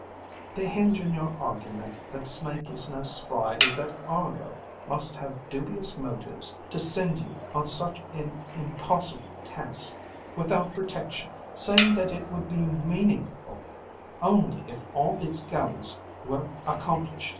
The hinge in your argument that Snake is no spy is that Argo must have dubious motives to send you on such an impossible task, without protection, saying that it would be meaningful only if all its goals were accomplished.